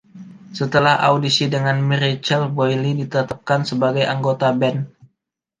Setelah audisi dengan "Miracle", Boyle ditetapkan sebagai anggota band .